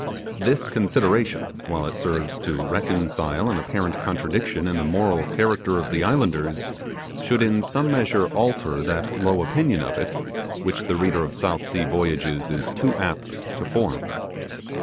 This consideration, while it serves to reconcile an apparent contradiction in the moral character of the islanders, should in some measure alter that low opinion of it which the reader of South Sea voyages is too apt to form.